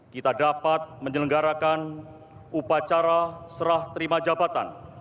kita dapat menyelenggarakan upacara serah terima jabatan